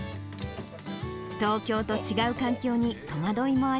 東京と違う環境に戸惑いもあ